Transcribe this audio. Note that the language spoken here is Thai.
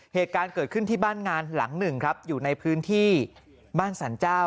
เหตุการณ์เกิดขึ้นที่บ้านงานหลังหนึ่งครับอยู่ในพื้นที่บ้านสรรเจ้า